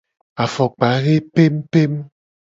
Afokpa he pempem.